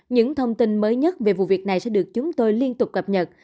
những thông tin mới nhất về vụ việc này sẽ được chúng tôi liên tục cập nhật